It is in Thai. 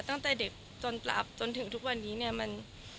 ตั้งแต่เด็กจนตับจนถึงทุกวันนี้เนี่ยมัน